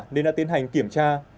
nên đã tiến hành kiểm tra